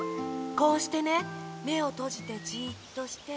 こうしてねめをとじてじっとして。